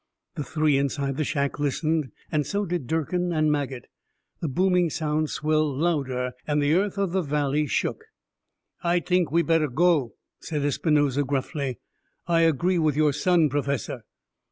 The three inside the shack listened, and so did Durkin and Maget. The booming sounds swelled louder and the earth of the valley shook. "I t'ink we better go," said Espinosa gruffly. "I agree with your son, Professor."